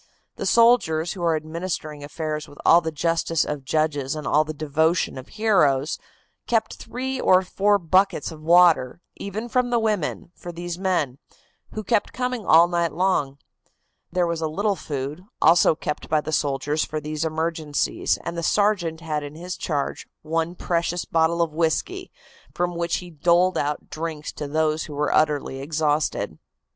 The soldiers, who are administering affairs with all the justice of judges and all the devotion of heroes, kept three or four buckets of water, even from the women, for these men, who kept coming all night long. There was a little food, also kept by the soldiers for these emergencies, and the sergeant had in his charge one precious bottle of whisky, from which he doled out drinks to those who were utterly exhausted.